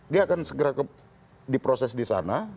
dia akan segera diproses di sana